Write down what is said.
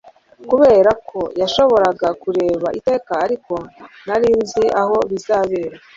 kuberako yashoboraga kureba iteka, ariko nari nzi aho bizabera